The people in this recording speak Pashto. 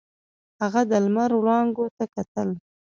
هغه د لمر وړانګو ته کتل.